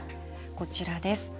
こちらです。